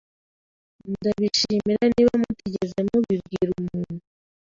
Ndabishima niba mutigeze mubibwira umuntu.